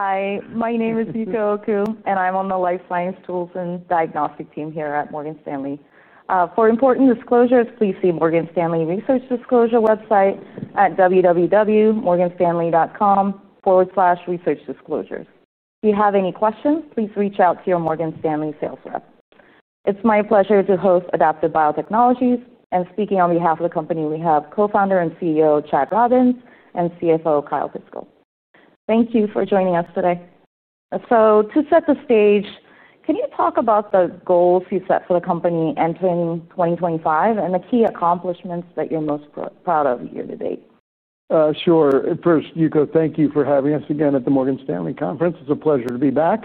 Hi, my name is Vicky Apostolakos, and I'm on the Life Science Tools and Diagnostic Team here at Morgan Stanley. For important disclosures, please see Morgan Stanley Research Disclosure website at www.morganstanley.com/researchdisclosures. If you have any questions, please reach out to your Morgan Stanley sales rep. It's my pleasure to host Adaptive Biotechnologies and speak on behalf of the company. We have Co-founder and CEO Chad Robins and CFO Kyle Piskel. Thank you for joining us today. To set the stage, can you talk about the goals you set for the company entering 2025 and the key accomplishments that you're most proud of year to date? Sure. First, Vicky, thank you for having us again at the Morgan Stanley Conference. It's a pleasure to be back.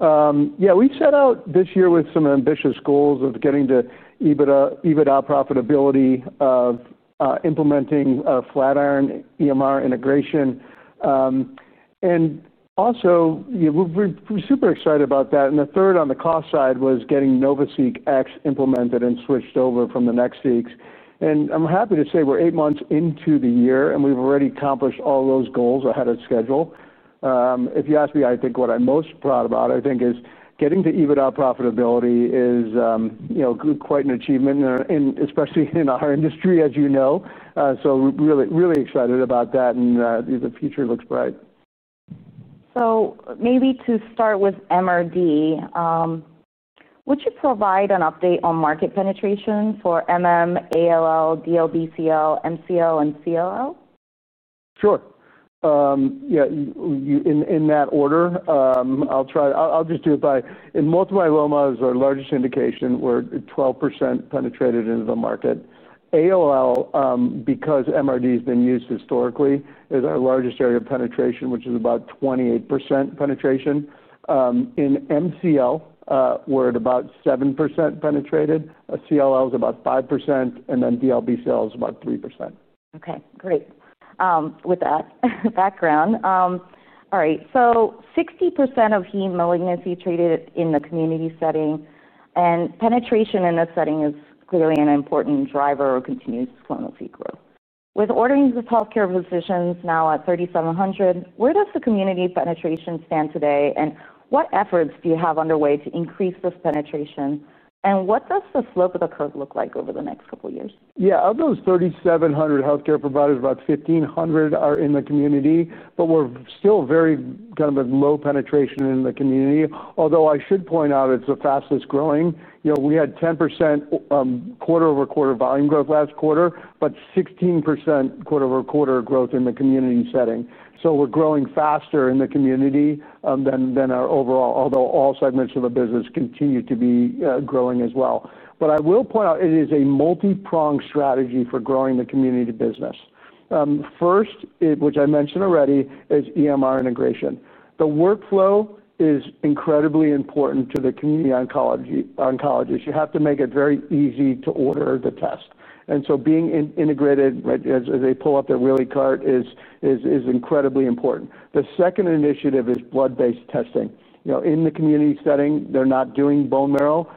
We set out this year with some ambitious goals of getting to EBITDA profitability, of implementing a Flatiron EMR integration. We're super excited about that. The third on the cost side was getting NovaSeq X implemented and switched over from the NextSeqs. I'm happy to say we're eight months into the year, and we've already accomplished all those goals ahead of schedule. If you ask me, I think what I'm most proud about is getting to EBITDA profitability, which is quite an achievement, especially in our industry, as you know. Really, really excited about that. The future looks bright. Maybe to start with MRD, would you provide an update on market penetration for ALL, DLBCL, MCL, and CLL? Sure. In that order, I'll just do it by, in multiple myeloma, it's our largest indication. We're 12% penetrated into the market. ALL, because MRD has been used historically, is our largest area of penetration, which is about 28% penetration. In MCL, we're at about 7% penetrated. CLL is about 5%, and then DLBCL is about 3%. Okay, great. With that background, all right, so 60% of hematologic malignancies are treated in the community setting, and penetration in that setting is clearly an important driver for continued disclosure. With ordering healthcare physicians now at 3,700, where does the community penetration stand today? What efforts do you have underway to increase this penetration? What does the slope of the curve look like over the next couple of years? Yeah, of those 3,700 healthcare providers, about 1,500 are in the community, but we're still very kind of a low penetration in the community. Although I should point out it's the fastest growing. We had 10% quarter-over-quarter volume growth last quarter, but 16% quarter-over-quarter growth in the community setting. We're growing faster in the community than our overall, although all segments of the business continue to be growing as well. I will point out it is a multi-prong strategy for growing the community business. First, which I mentioned already, is EMR integration. The workflow is incredibly important to the community oncologists. You have to make it very easy to order the test. Being integrated as they pull up the Willie cart is incredibly important. The second initiative is blood-based testing. In the community setting, they're not doing bone marrow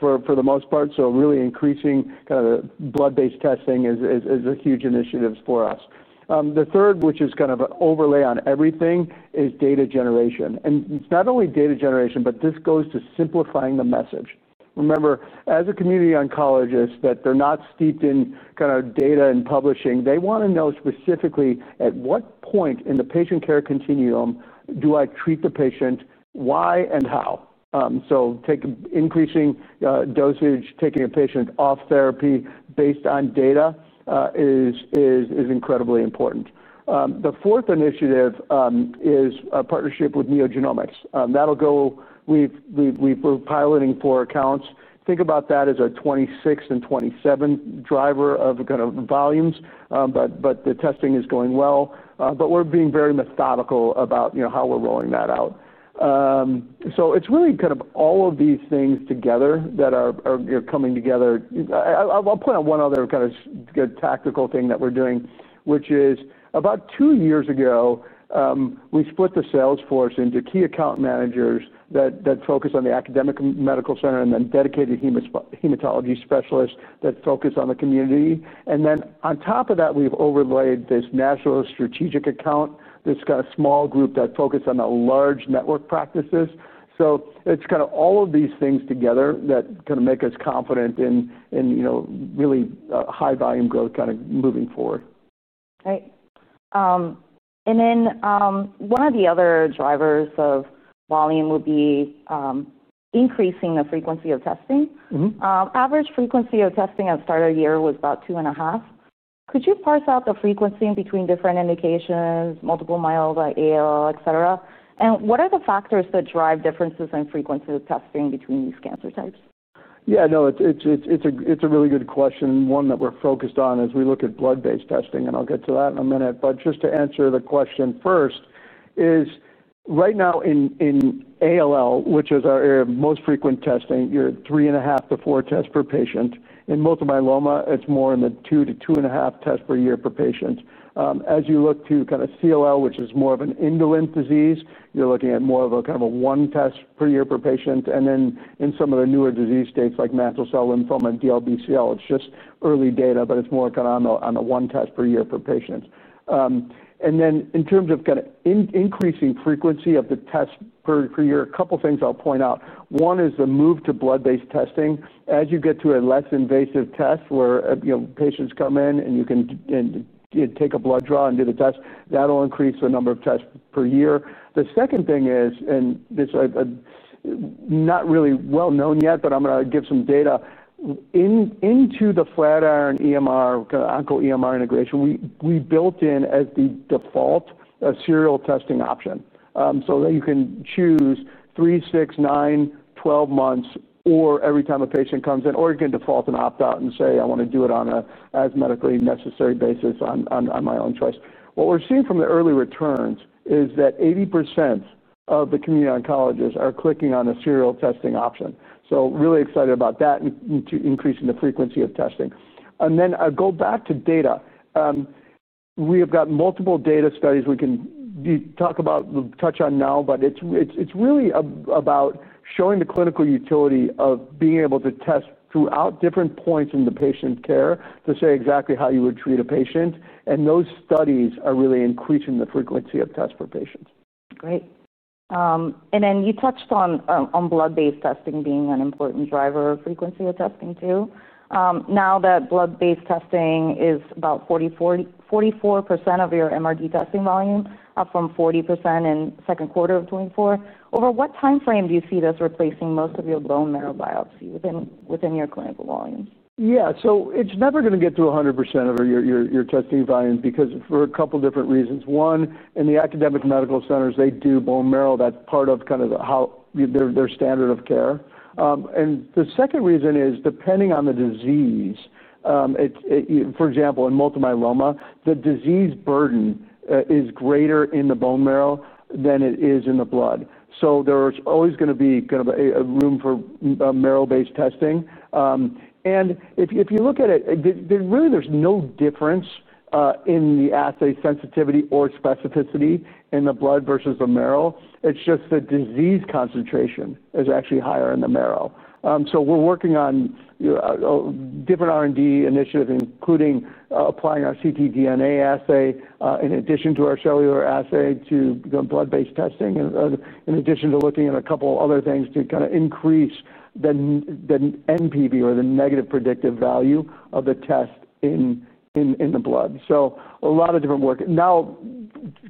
for the most part. Really increasing kind of blood-based testing is a huge initiative for us. The third, which is kind of an overlay on everything, is data generation. It's not only data generation, but this goes to simplifying the message. Remember, as a community oncologist, they're not steeped in kind of data and publishing. They want to know specifically at what point in the patient care continuum do I treat the patient, why and how? Taking increasing dosage, taking a patient off therapy based on data is incredibly important. The fourth initiative is a partnership with NeoGenomics. That'll go—we're piloting four accounts. Think about that as a 2026 and 2027 driver of kind of volumes. The testing is going well. We're being very methodical about how we're rolling that out. It's really kind of all of these things together that are coming together. I'll point out one other kind of good tactical thing that we're doing, which is about two years ago, we split the sales force into key account managers that focus on the academic medical center and then dedicated hematology specialists that focus on the community. On top of that, we've overlaid this national strategic account, this kind of small group that focuses on the large network practices. It's kind of all of these things together that kind of make us confident in, you know, really high-volume growth kind of moving forward. Great. One of the other drivers of volume will be increasing the frequency of testing. Average frequency of testing at the start of the year was about 2.5. Could you parse out the frequency in between different indications, multiple myeloma, ALL, etc.? What are the factors that drive differences in frequency of testing between these cancer types? Yeah, no, it's a really good question. One that we're focused on is we look at blood-based testing, and I'll get to that in a minute. Just to answer the question first, right now in acute lymphoblastic leukemia, which is our area of most frequent testing, you're three and a half to four tests per patient. In multiple myeloma, it's more in the two to two and a half tests per year per patient. As you look to kind of chronic lymphocytic leukemia, which is more of an indolent disease, you're looking at more of a kind of a one test per year per patient. In some of the newer disease states like mantle cell lymphoma and diffuse large B-cell lymphoma, it's just early data, but it's more kind of on the one test per year per patient. In terms of kind of increasing frequency of the tests per year, a couple of things I'll point out. One is the move to blood-based testing. As you get to a less invasive test where patients come in and you can take a blood draw and do the test, that'll increase the number of tests per year. The second thing is, and this is not really well known yet, but I'm going to give some data. Into the Flatiron Health EMR, kind of oncoEMR integration, we built in as the default a serial testing option so that you can choose three, six, nine, twelve months, or every time a patient comes in, or you can default and opt out and say, I want to do it on an as medically necessary basis on my own choice. What we're seeing from the early returns is that 80% of the community oncologists are clicking on a serial testing option. Really excited about that and increasing the frequency of testing. I go back to data. We have got multiple data studies we can talk about, touch on now, but it's really about showing the clinical utility of being able to test throughout different points in the patient care to say exactly how you would treat a patient. Those studies are really increasing the frequency of tests for patients. Great. You touched on blood-based testing being an important driver of frequency of testing too. Now that blood-based testing is about 44% of your MRD testing volume, up from 40% in the second quarter of 2024, over what timeframe do you see this replacing most of your bone marrow biopsy within your clinical volume? Yeah, so it's never going to get to 100% of your testing volume because for a couple of different reasons. One, in the academic medical centers, they do bone marrow, that's part of kind of their standard of care. The second reason is, depending on the disease, for example, in multiple myeloma, the disease burden is greater in the bone marrow than it is in the blood. There's always going to be kind of a room for marrow-based testing. If you look at it, really there's no difference in the assay sensitivity or specificity in the blood versus the marrow. It's just the disease concentration is actually higher in the marrow. We're working on different R&D initiatives, including applying our ctDNA assay in addition to our cellular assay to blood-based testing, in addition to looking at a couple of other things to kind of increase the NPV or the negative predictive value of the test in the blood. A lot of different work. Now,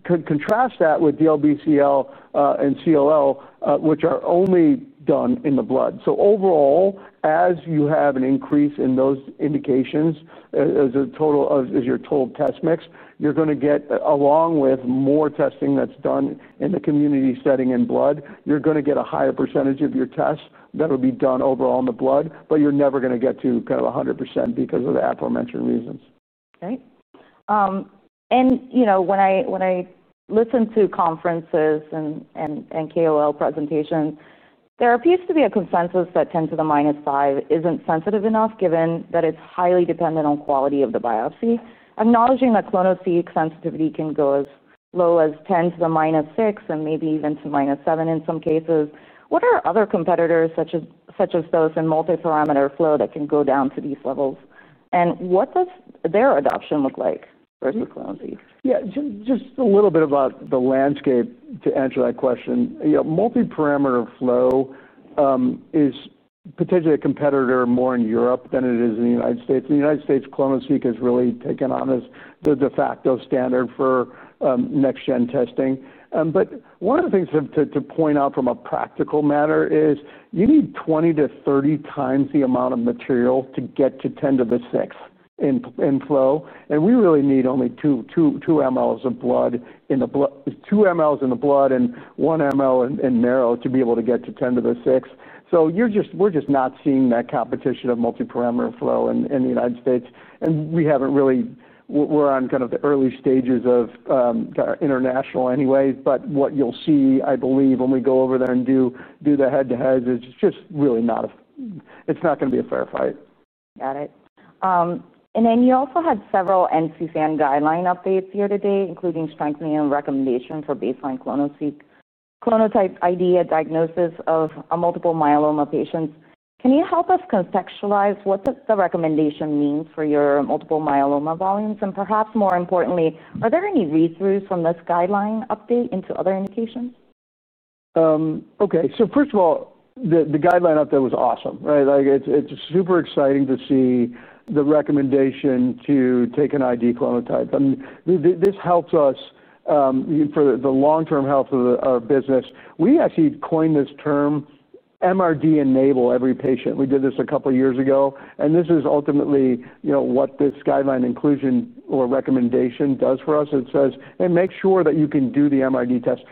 contrast that with DLBCL and CLL, which are only done in the blood. Overall, as you have an increase in those indications as a total of your total test mix, you're going to get, along with more testing that's done in the community setting in blood, you're going to get a higher percentage of your tests that will be done overall in the blood, but you're never going to get to kind of 100% because of the aforementioned reasons. Great. You know, when I listen to conferences and KOL presentations, there appears to be a consensus that 10^-5 isn't sensitive enough, given that it's highly dependent on the quality of the biopsy. Acknowledging that clonoSEQ sensitivity can go as low as 10^-6 and maybe even to 10^-7 in some cases, what are other competitors, such as those in multi-parameter flow, that can go down to these levels? What does their adoption look like versus clonoSEQ? Yeah, just a little bit about the landscape to answer that question. You know, multi-parameter flow is potentially a competitor more in Europe than it is in the United States. In the United States, clonoSEQ has really taken on as the de facto standard for next-gen testing. One of the things to point out from a practical matter is you need 20 to 30 times the amount of material to get to 10^6 in flow. We really need only 2 mL of blood, 2 mL in the blood and 1 mL in marrow to be able to get to 10^6. We're just not seeing that competition of multi-parameter flow in the United States. We haven't really, we're on kind of the early stages of kind of international anyways. What you'll see, I believe, when we go over there and do the head-to-heads, it's just really not a, it's not going to be a fair fight. Got it. You also had several NCCN guideline updates here today, including strengthening recommendations for baseline clonoSEQ, clonotype ID, and diagnosis of multiple myeloma patients. Can you help us contextualize what the recommendation means for your multiple myeloma volumes? Perhaps more importantly, are there any read-throughs from this guideline update into other indications? Okay, so first of all, the guideline update was awesome, right? Like, it's super exciting to see the recommendation to take an ID clonotype. This helps us for the long-term health of our business. We actually coined this term MRD-enable every patient. We did this a couple of years ago. This is ultimately, you know, what this guideline inclusion or recommendation does for us. It says, and make sure that you can do the MRD test.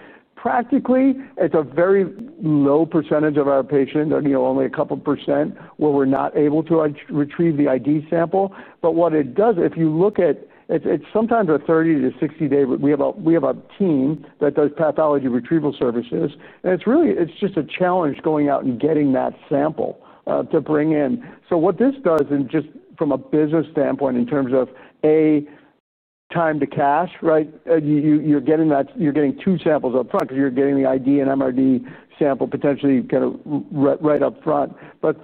Practically, it's a very low percentage of our patients, you know, only a couple % where we're not able to retrieve the ID sample. What it does, if you look at, it's sometimes a 30 to 60-day, we have a team that does pathology retrieval services. It's really, it's just a challenge going out and getting that sample to bring in. What this does, and just from a business standpoint in terms of A, time to cash, right? You're getting that, you're getting two samples up front because you're getting the ID and MRD sample potentially kind of right up front.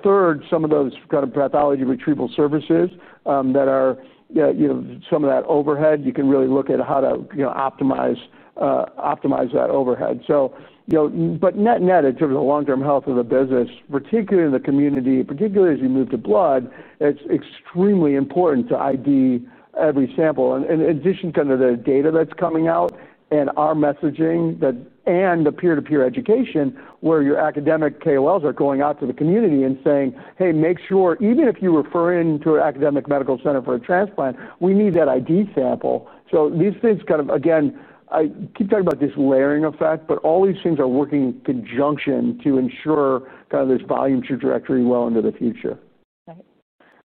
Third, some of those kind of pathology retrieval services that are, you know, some of that overhead, you can really look at how to, you know, optimize that overhead. Net-net, in terms of the long-term health of the business, particularly in the community, particularly as you move to blood, it's extremely important to ID every sample. In addition to the data that's coming out and our messaging and the peer-to-peer education where your academic KOLs are going out to the community and saying, hey, make sure even if you refer into an academic medical center for a transplant, we need that ID sample. These things kind of, again, I keep talking about this layering effect, but all these things are working in conjunction to ensure kind of this volume trajectory well into the future.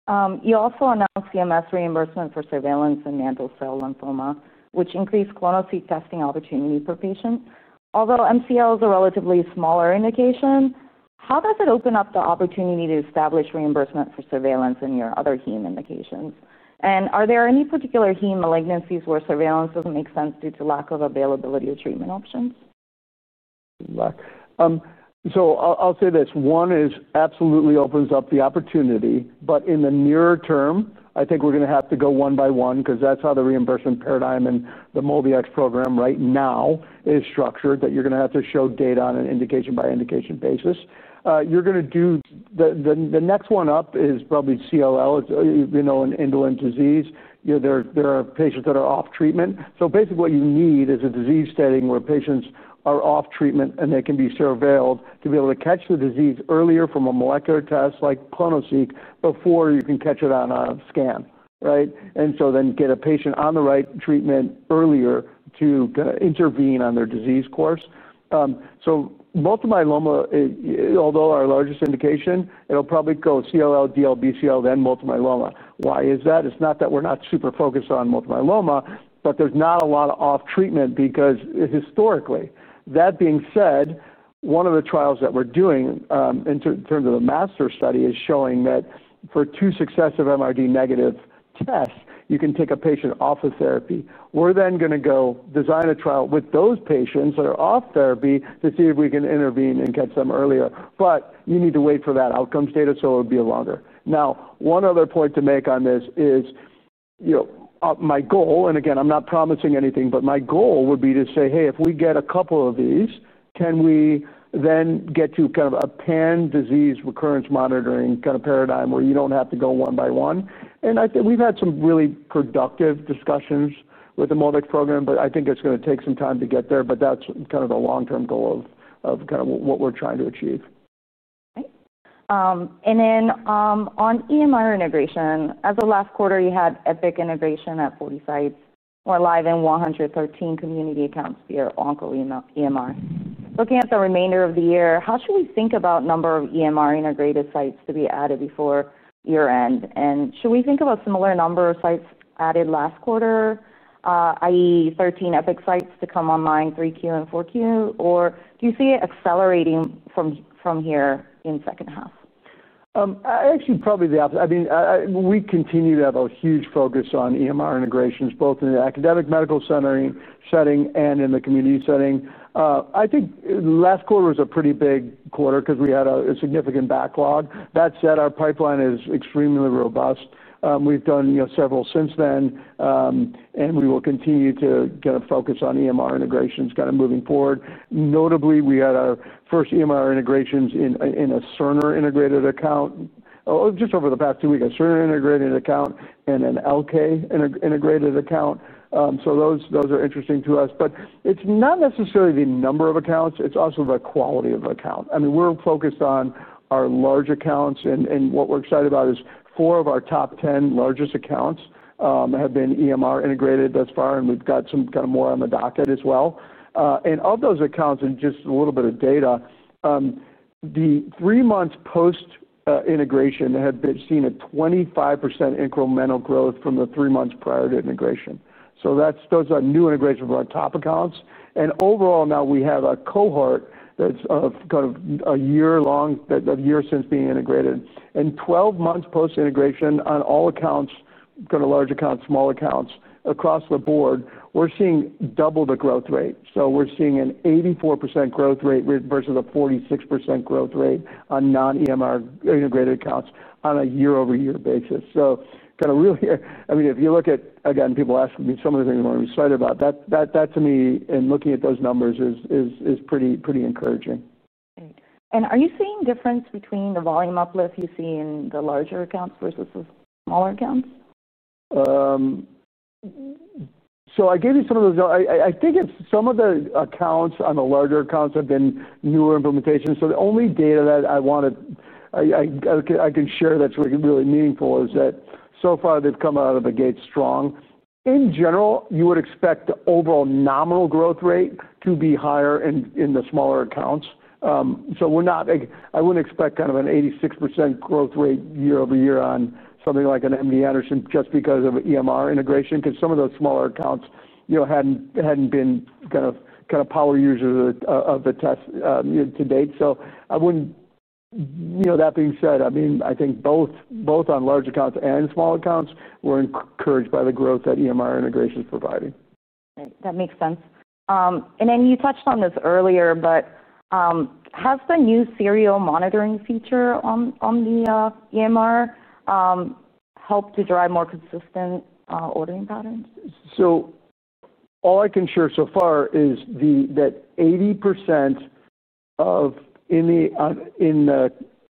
Right. You also announced CMS reimbursement for surveillance in mantle cell lymphoma, which increased clonoSEQ testing opportunity per patient. Although MCL is a relatively smaller indication, how does it open up the opportunity to establish reimbursement for surveillance in your other heme indications? Are there any particular heme malignancies where surveillance doesn't make sense due to lack of availability of treatment options? I'll say this. One is it absolutely opens up the opportunity, but in the nearer term, I think we're going to have to go one by one because that's how the reimbursement paradigm and the MOBIX program right now is structured, that you're going to have to show data on an indication-by-indication basis. The next one up is probably CLL. It's an indolent disease. There are patients that are off treatment. Basically, what you need is a disease setting where patients are off treatment and they can be surveilled to be able to catch the disease earlier from a molecular test like clonoSEQ before you can catch it on a scan, right? Then get a patient on the right treatment earlier to intervene on their disease course. Multiple myeloma, although our largest indication, it'll probably go CLL, DLBCL, then multiple myeloma. Why is that? It's not that we're not super focused on multiple myeloma, but there's not a lot of off treatment because historically, that being said, one of the trials that we're doing in terms of the MASTER study is showing that for two successive MRD negative tests, you can take a patient off of therapy. We're then going to go design a trial with those patients that are off therapy to see if we can intervene and catch them earlier. You need to wait for that outcomes data, so it'll be longer. One other point to make on this is, my goal, and again, I'm not promising anything, but my goal would be to say, hey, if we get a couple of these, can we then get to kind of a pan-disease recurrence monitoring kind of paradigm where you don't have to go one by one? I think we've had some really productive discussions with the MOBIX program, but I think it's going to take some time to get there. That's the long-term goal of what we're trying to achieve. Great. On EMR integration, as of last quarter, you had Epic integration at 40 sites. We're live in 113 community accounts via oncoEMR. Looking at the remainder of the year, how should we think about the number of EMR integrated sites to be added before year end? Should we think of a similar number of sites added last quarter, i.e., 13 Epic sites to come online in 3Q and 4Q? Do you see it accelerating from here in the second half? I actually probably the opposite. I mean, we continue to have a huge focus on EMR integrations, both in the academic medical center setting and in the community setting. I think last quarter was a pretty big quarter because we had a significant backlog. That said, our pipeline is extremely robust. We've done several since then. We will continue to kind of focus on EMR integrations kind of moving forward. Notably, we had our first EMR integrations in a Cerner integrated account just over the past two weeks, a Cerner integrated account and an LK integrated account. Those are interesting to us. It's not necessarily the number of accounts. It's also the quality of account. I mean, we're focused on our large accounts. What we're excited about is four of our top 10 largest accounts have been EMR integrated thus far. We've got some kind of more on the docket as well. Of those accounts and just a little bit of data, the three months post-integration had been seeing a 25% incremental growth from the three months prior to integration. Those are new integrations from our top accounts. Overall, now we have a cohort that's kind of a year-long, a year since being integrated. Twelve months post-integration on all accounts, kind of large accounts, small accounts across the board, we're seeing double the growth rate. We're seeing an 84% growth rate versus a 46% growth rate on non-EMR integrated accounts on a year-over-year basis. If you look at, again, people asking me some of the things I'm excited about, that to me, in looking at those numbers, is pretty encouraging. Are you seeing a difference between the volume uplift you see in the larger accounts versus the smaller accounts? I gave you some of those. I think some of the accounts on the larger accounts have been newer implementations. The only data that I wanted, I can share that's really meaningful is that so far they've come out of the gate strong. In general, you would expect the overall nominal growth rate to be higher in the smaller accounts. I wouldn't expect kind of an 86% growth rate year-over-year on something like an MD Anderson just because of EMR integration because some of those smaller accounts hadn't been kind of power users of the test to date. That being said, I think both on large accounts and small accounts we're encouraged by the growth that EMR integration is providing. Right. That makes sense. You touched on this earlier, but has the new serial monitoring feature on the EMR helped to drive more consistent ordering patterns? All I can share so far is that 80% in the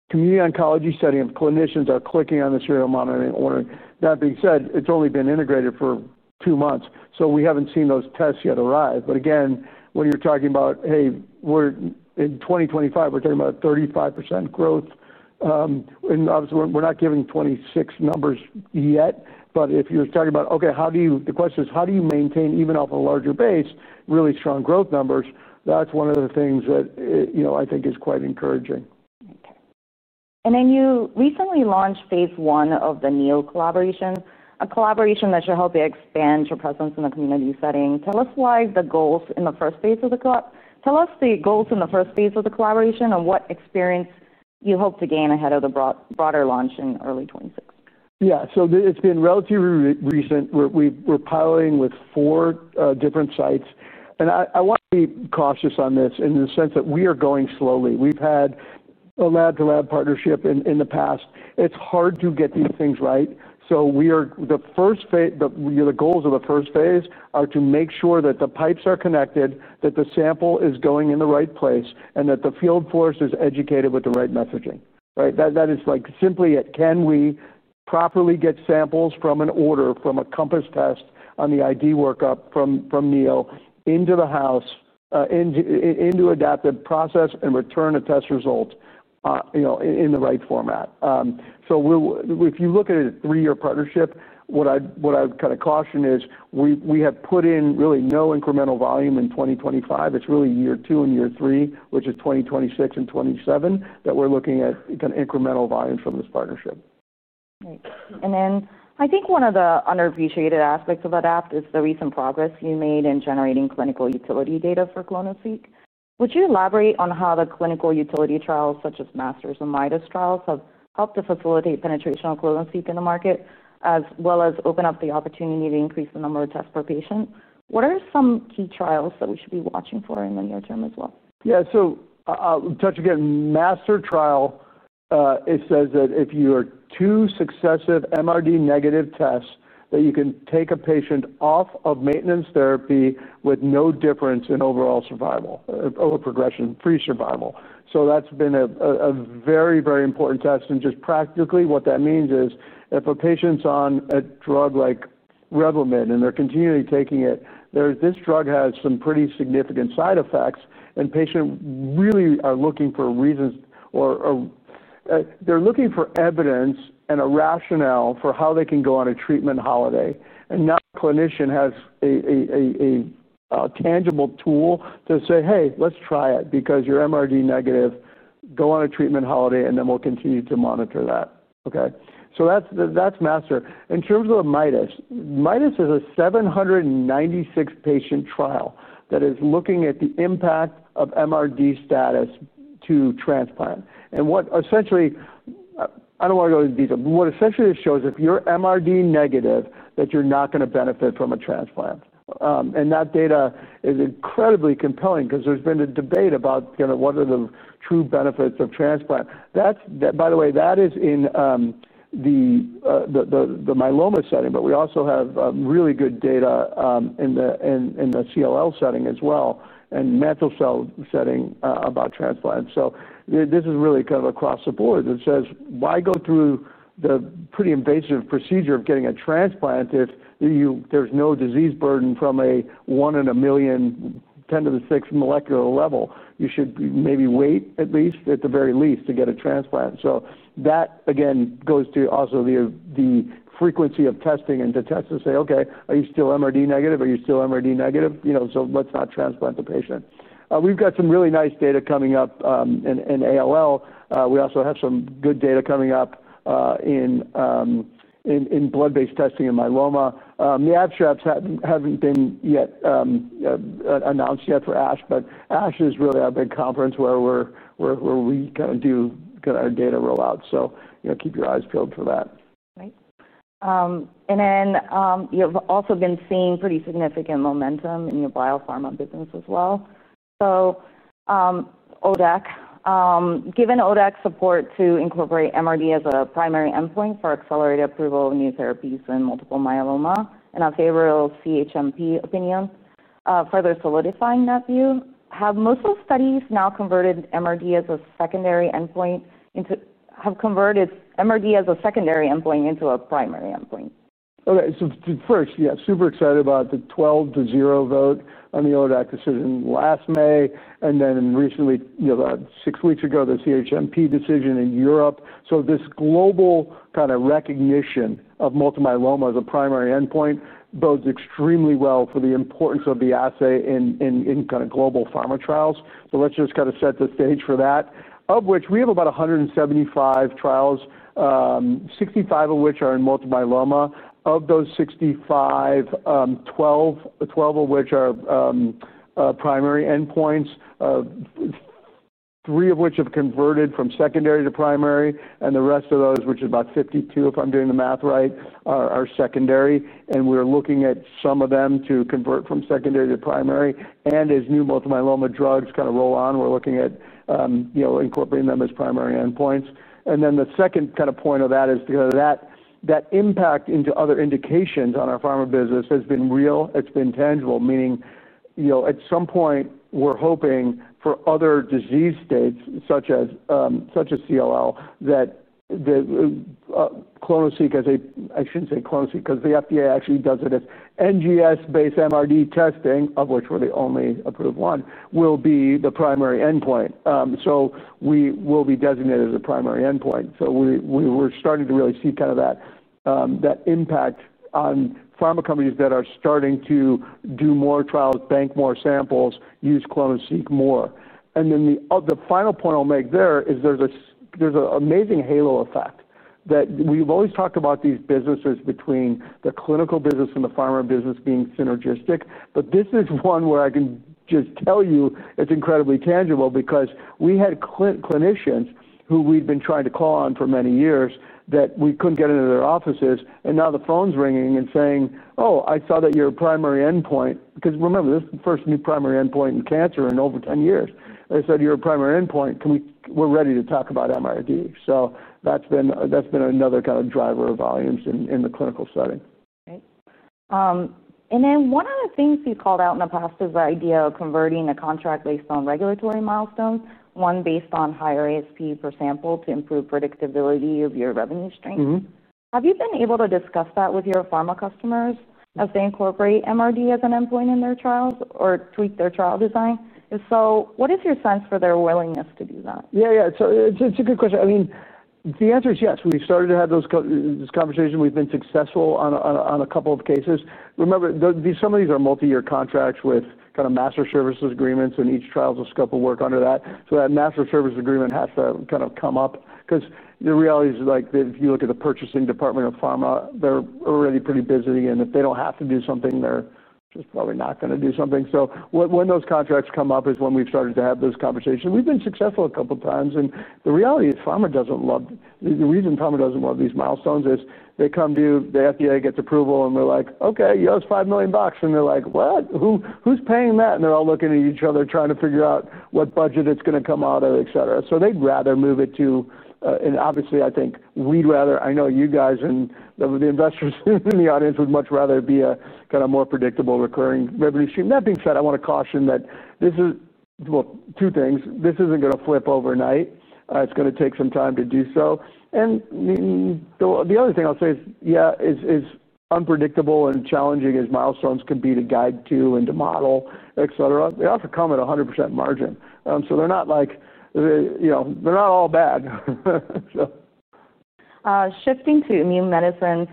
community oncology setting of clinicians are clicking on the serial monitoring order. That being said, it's only been integrated for two months. We haven't seen those tests yet arrive. Again, when you're talking about, hey, we're in 2025, we're talking about 35% growth. Obviously, we're not giving 2026 numbers yet. If you're talking about, okay, how do you, the question is, how do you maintain, even off a larger base, really strong growth numbers? That's one of the things that I think is quite encouraging. Okay. You recently launched phase one of the Neo collaboration, a collaboration that should help you expand your presence in the community setting. Tell us the goals in the first phase of the collaboration and what experience you hope to gain ahead of the broader launch in early 2026. Yeah, so it's been relatively recent. We're piloting with four different sites. I want to be cautious on this in the sense that we are going slowly. We've had a lab-to-lab partnership in the past. It's hard to get these things right. The first phase, the goals of the first phase are to make sure that the pipes are connected, that the sample is going in the right place, and that the field force is educated with the right messaging. That is like simply, can we properly get samples from an order, from a compass test on the ID workup from Neo into the house, into an Adaptive Biotechnologies process and return a test result in the right format? If you look at a three-year partnership, what I would kind of caution is we have put in really no incremental volume in 2025. It's really year two and year three, which is 2026 and 2027, that we're looking at kind of incremental volume from this partnership. Great. I think one of the underappreciated aspects of Adaptive Biotechnologies is the recent progress you made in generating clinical utility data for clonoSEQ. Would you elaborate on how the clinical utility trials, such as MASTER and MIDUS trials, have helped to facilitate penetration of clonoSEQ in the market, as well as open up the opportunity to increase the number of tests per patient? What are some key trials that we should be watching for in the near term as well? Yeah, so, I'll touch again, MASTER trial, it says that if you are two successive MRD negative tests, that you can take a patient off of maintenance therapy with no difference in overall survival, or progression-free survival. That's been a very, very important test. Just practically, what that means is if a patient's on a drug like Revlimid and they're continually taking it, this drug has some pretty significant side effects. Patients really are looking for reasons, or they're looking for evidence and a rationale for how they can go on a treatment holiday. That clinician has a tangible tool to say, hey, let's try it because you're MRD negative, go on a treatment holiday, and then we'll continue to monitor that. Okay? That's MASTER. In terms of MIDUS, MIDUS is a 796-patient trial that is looking at the impact of MRD status to transplant. What essentially, I don't want to go into detail, but what essentially it shows is if you're MRD negative, that you're not going to benefit from a transplant. That data is incredibly compelling because there's been a debate about what are the true benefits of transplant. By the way, that is in the myeloma setting, but we also have really good data in the CLL setting as well, and mantle cell setting about transplant. This is really kind of across the board. It says, why go through the pretty invasive procedure of getting a transplant if there's no disease burden from a one in a million, 10 to the sixth molecular level? You should maybe wait at least, at the very least, to get a transplant. That again goes to also the frequency of testing and to test to say, okay, are you still MRD negative? Are you still MRD negative? You know, let's not transplant the patient. We've got some really nice data coming up in ALL. We also have some good data coming up in blood-based testing in myeloma. The abstracts haven't been announced yet for ASH, but ASH is really our big conference where we kind of do our data rollout. Keep your eyes peeled for that. Great. You've also been seeing pretty significant momentum in your biopharma business as well. Given ODAC support to incorporate MRD as a primary endpoint for accelerated approval of new therapies in multiple myeloma and a favorable CHMP opinion, further solidifying that view, have most of the studies now converted MRD as a secondary endpoint into a primary endpoint? Okay, so first, yeah, super excited about the 12 to 0 vote on the ODAC decision last May. Then recently, about six weeks ago, the CHMP decision in Europe. This global kind of recognition of multiple myeloma as a primary endpoint bodes extremely well for the importance of the assay in global pharma trials. Let's just set the stage for that, of which we have about 175 trials, 65 of which are in multiple myeloma. Of those 65, 12 of which are primary endpoints, three of which have converted from secondary to primary, and the rest of those, which is about 52, if I'm doing the math right, are secondary. We're looking at some of them to convert from secondary to primary. As new multiple myeloma drugs roll on, we're looking at incorporating them as primary endpoints. The second point of that is because that impact into other indications on our pharma business has been real. It's been tangible, meaning, at some point, we're hoping for other disease states, such as CLL, that the clonoSEQ, I shouldn't say clonoSEQ, because the FDA actually does it as NGS-based MRD testing, of which we're the only approved one, will be the primary endpoint. We will be designated as a primary endpoint. We're starting to really see that impact on pharma companies that are starting to do more trials, bank more samples, use clonoSEQ more. The final point I'll make there is there's an amazing halo effect that we've always talked about these businesses between the clinical business and the pharma business being synergistic. This is one where I can just tell you it's incredibly tangible because we had clinicians who we'd been trying to call on for many years that we couldn't get into their offices. Now the phone's ringing and saying, oh, I saw that you're a primary endpoint, because remember, this is the first new primary endpoint in cancer in over 10 years. They said, you're a primary endpoint. We're ready to talk about MRD. That's been another driver of volumes in the clinical setting. Great. One of the things you've called out in the past is the idea of converting a contract based on regulatory milestones, one based on higher ASP per sample to improve predictability of your revenue stream. Have you been able to discuss that with your pharma customers as they incorporate MRD as an endpoint in their trials or tweak their trial design? If so, what is your sense for their willingness to do that? Yeah, yeah, it's a good question. I mean, the answer is yes. We've started to have those conversations. We've been successful on a couple of cases. Remember, some of these are multi-year contracts with kind of master services agreements, and each trial's scope of work under that. That master service agreement has to come up because the reality is that if you look at the purchasing department of pharma, they're already pretty busy. If they don't have to do something, they're just probably not going to do something. When those contracts come up is when we've started to have those conversations. We've been successful a couple of times. The reality is pharma doesn't love the reason pharma doesn't love these milestones is they come to the FDA, get approval, and they're like, okay, you owe us $5 million. They're like, what? Who's paying that? They're all looking at each other trying to figure out what budget it's going to come out of, etc. They'd rather move it to, and obviously, I think we'd rather, I know you guys and the investors in the audience would much rather be a kind of more predictable recurring revenue stream. That being said, I want to caution that this is, well, two things. This isn't going to flip overnight. It's going to take some time to do so. The other thing I'll say is, yeah, as unpredictable and challenging as milestones can be to guide to and to model, etc., they often come at a 100% margin. They're not all bad. Shifting to immune medicine,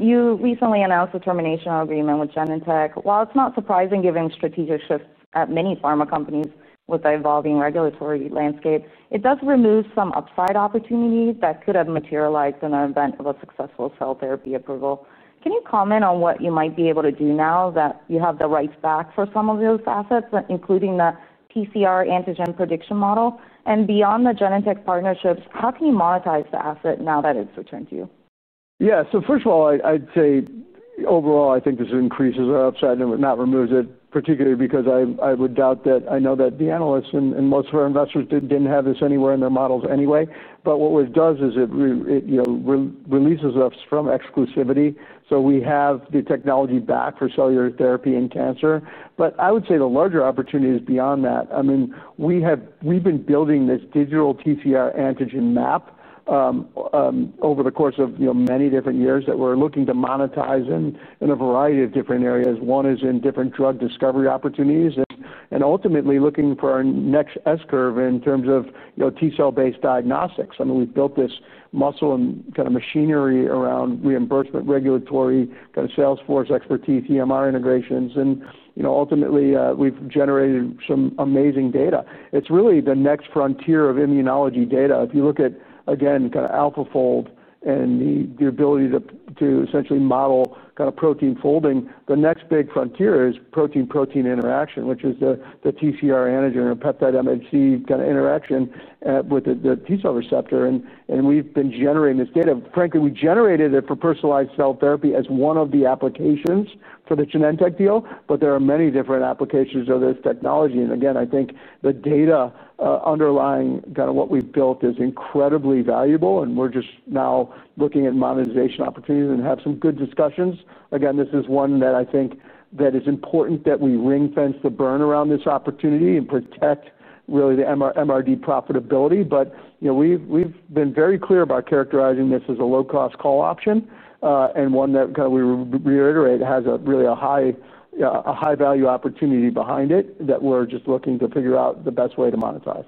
you recently announced a termination agreement with Genentech. While it's not surprising given strategic shifts at many pharma companies with the evolving regulatory landscape, it does remove some upside opportunity that could have materialized in the event of a successful cell therapy approval. Can you comment on what you might be able to do now that you have the rights back for some of those assets, including the PCR antigen prediction model? Beyond the Genentech partnerships, how can you monetize the asset now that it's returned to you? Yeah, so first of all, I'd say overall, I think this increases our upside and not removes it, particularly because I would doubt that I know that the analysts and most of our investors didn't have this anywhere in their models anyway. What it does is it releases us from exclusivity. We have the technology back for cellular therapy in cancer. I would say the larger opportunity is beyond that. We've been building this digital TCR antigen map over the course of many different years that we're looking to monetize in a variety of different areas. One is in different drug discovery opportunities and ultimately looking for our next S-curve in terms of T-cell-based diagnostics. We've built this muscle and kind of machinery around reimbursement, regulatory kind of salesforce expertise, EMR integrations. Ultimately, we've generated some amazing data. It's really the next frontier of immunology data. If you look at, again, kind of AlphaFold and the ability to essentially model kind of protein folding, the next big frontier is protein-protein interaction, which is the TCR antigen or peptide MHC kind of interaction with the T-cell receptor. We've been generating this data. Frankly, we generated it for personalized cell therapy as one of the applications for the Genentech deal. There are many different applications of this technology. I think the data underlying kind of what we've built is incredibly valuable. We're just now looking at monetization opportunities and have some good discussions. This is one that I think is important that we ring-fence the burn around this opportunity and protect really the MRD profitability. We've been very clear about characterizing this as a low-cost call option and one that we reiterate has really a high-value opportunity behind it that we're just looking to figure out the best way to monetize.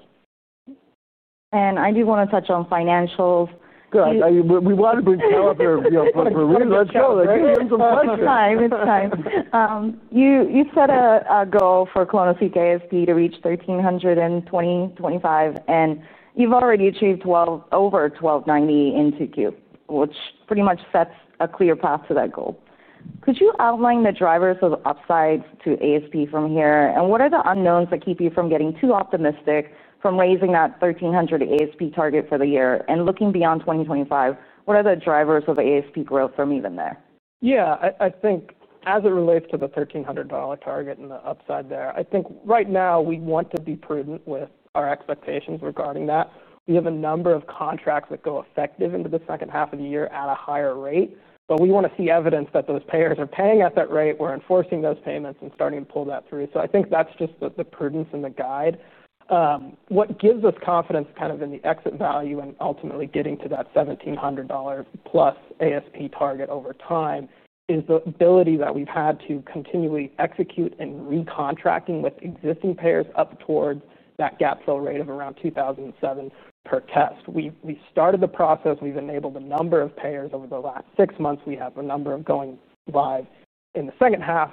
I do want to touch on financials. Good. We want to bring power for reading. Let's go. It's fine. It's fine. You've set a goal for clonoSEQ ASP to reach $1,300 in 2025, and you've already achieved well over $1,290 in Q2, which pretty much sets a clear path to that goal. Could you outline the drivers of upsides to ASP from here? What are the unknowns that keep you from getting too optimistic from raising that $1,300 ASP target for the year? Looking beyond 2025, what are the drivers of ASP growth from even there? Yeah, I think as it relates to the $1,300 target and the upside there, I think right now we want to be prudent with our expectations regarding that. We have a number of contracts that go effective into the second half of the year at a higher rate. We want to see evidence that those payers are paying at that rate. We're enforcing those payments and starting to pull that through. I think that's just the prudence and the guide. What gives us confidence in the exit value and ultimately getting to that $1,700+ ASP target over time is the ability that we've had to continually execute and re-contracting with existing payers up towards that gap fill rate of around $2,007 per test. We started the process. We've enabled a number of payers over the last six months. We have a number going live in the second half.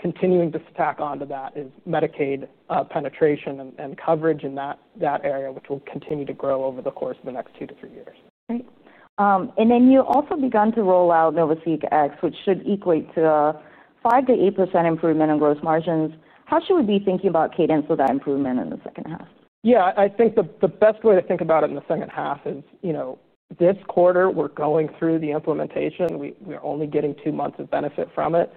Continuing to stack onto that is Medicaid penetration and coverage in that area, which will continue to grow over the course of the next two to three years. Great. You also began to roll out NovaSeq X, which should equate to a 5% to 8% improvement in gross margins. How should we be thinking about cadence of that improvement in the second half? Yeah, I think the best way to think about it in the second half is, you know, this quarter we're going through the implementation. We're only getting two months of benefit from it,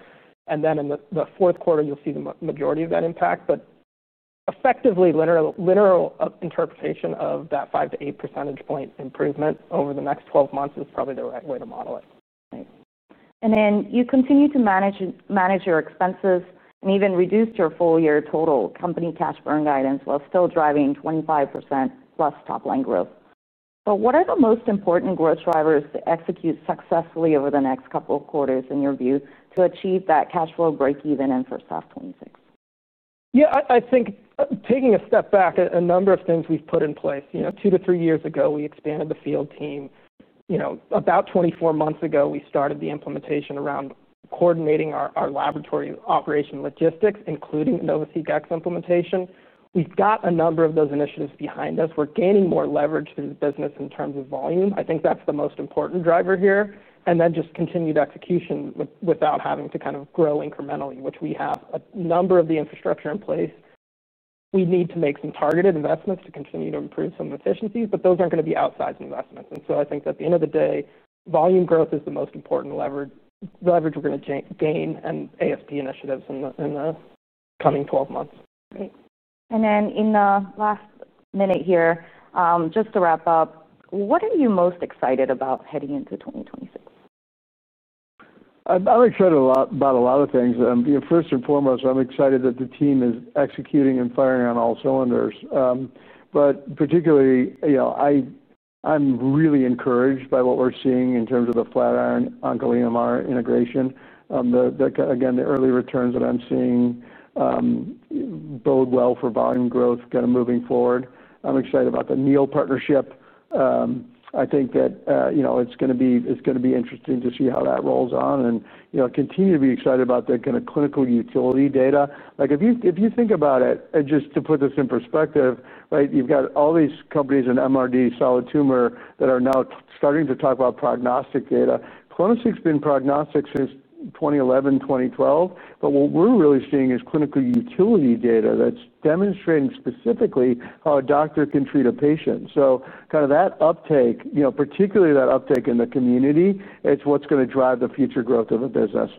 and then in the fourth quarter, you'll see the majority of that impact. Effectively, literal interpretation of that 5% to 8% point improvement over the next 12 months is probably the right way to model it. Right. You continue to manage your expenses and even reduced your full-year total company cash burn guidance while still driving 25%+ top line growth. What are the most important growth drivers to execute successfully over the next couple of quarters in your view to achieve that cash flow break even in the first half of 2026? Yeah, I think taking a step back, a number of things we've put in place. Two to three years ago, we expanded the field team. About 24 months ago, we started the implementation around coordinating our laboratory operation logistics, including NovaSeq X implementation. We've got a number of those initiatives behind us. We're gaining more leverage in the business in terms of volume. I think that's the most important driver here. Just continued execution without having to kind of grow incrementally, which we have a number of the infrastructure in place. We need to make some targeted investments to continue to improve some efficiencies, but those aren't going to be outsized investments. I think at the end of the day, volume growth is the most important leverage we're going to gain in ASP initiatives in the coming 12 months. Great. In the last minute here, just to wrap up, what are you most excited about heading into 2026? I'm excited about a lot of things. First and foremost, I'm excited that the team is executing and firing on all cylinders. Particularly, I'm really encouraged by what we're seeing in terms of the Flatiron oncoEMR integration. Again, the early returns that I'm seeing bode well for volume growth moving forward. I'm excited about the Neo partnership. I think that it's going to be interesting to see how that rolls on. I continue to be excited about the kind of clinical utility data. If you think about it, and just to put this in perspective, you've got all these companies in minimal residual disease, solid tumor, that are now starting to talk about prognostic data. clonoSEQ's been prognostic since 2011, 2012. What we're really seeing is clinical utility data that's demonstrating specifically how a doctor can treat a patient. That uptake, particularly that uptake in the community, is what's going to drive the future growth of the business.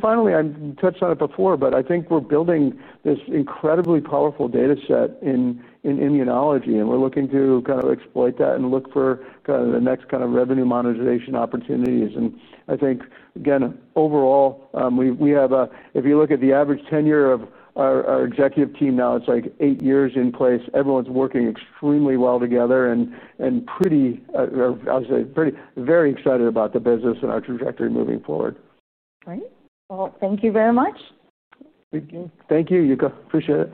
Finally, I touched on it before, but I think we're building this incredibly powerful data set in immunology. We're looking to exploit that and look for the next revenue monetization opportunities. I think, again, overall, we have, if you look at the average tenure of our executive team now, it's like eight years in place. Everyone's working extremely well together. I'm pretty, I would say, pretty, very excited about the business and our trajectory moving forward. Great. Thank you very much. Thank you. Thank you, Yuko. Appreciate it.